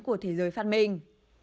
của thế giới phát minh